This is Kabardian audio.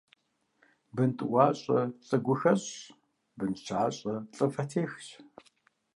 Бын тӀуащӀэ лӀы гу хэщӀщ, бын щащӀэ лӀы фэ техщ.